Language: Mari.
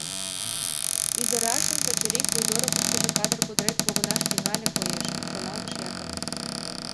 «Ӱдырашын пычырик вуйдорыкыштыжо кадыр-кудырет погынаш тӱҥале, коеш», — шоналтыш Якып.